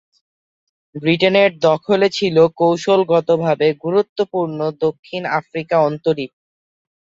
ব্রিটেনের দখলে ছিল কৌশলগতভাবে গুরুত্বপূর্ণ দক্ষিণ আফ্রিকা অন্তরীপ।